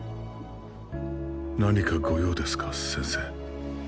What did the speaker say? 何かご用ですか先生。